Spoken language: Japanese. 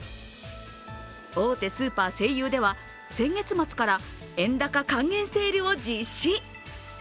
大手スーパー・西友では先月末から円高還元セールを実施。